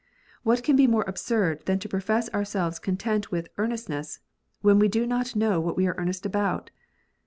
What can be more absurd than to profess ourselves content with " earnestness," when we do not know what we are earnest about